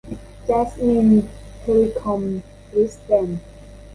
จัสมิน เทเลคอม ซิสเต็มส์